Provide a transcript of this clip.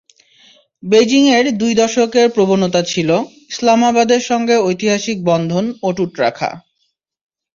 বেইজিংয়ের দুই দশকের প্রবণতা ছিল, ইসলামাবাদের সঙ্গে ঐতিহাসিক বন্ধন অটুট রাখা।